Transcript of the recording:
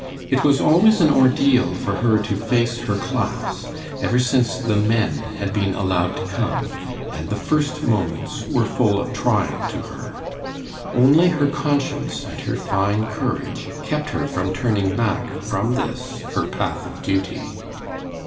It was always an ordeal for her to face her class, ever since the men had been allowed to come, and the first moments were full of trial to her. Only her conscience and her fine courage kept her from turning back from this, her path of duty.